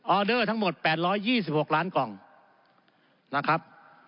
ออเดอร์ทั้งหมดแปดร้อยยี่สิบหกล้านกล่องนะครับ